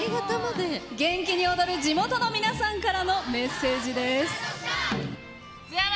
元気に踊る地元の皆さんからのメッセージです。